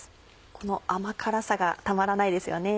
この甘辛さがたまらないですよね。